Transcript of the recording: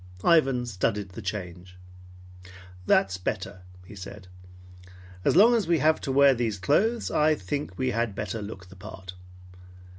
Ivan studied the change. "That's better," he said. "As long as we have to wear these clothes, I think we had better look the part.